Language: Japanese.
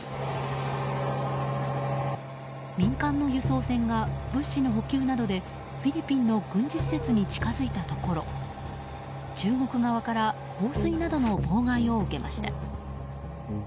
民間の輸送船が物資の補給などでフィリピンの軍事施設に近づいたところ中国側から放水などの妨害を受けました。